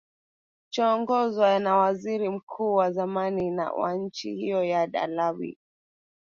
choongozwa na waziri mkuu wa zamani wa nchi hiyo yad alawi